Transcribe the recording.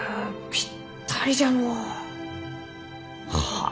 ぴったりじゃのう！はあ。